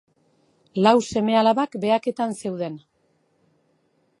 Lau seme-alabak behaketan zeuden.